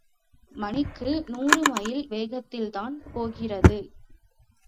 மணிக்கு நூறு மைல் வேகத்தில்தான் போகிறது.